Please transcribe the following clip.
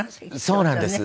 そうなんです。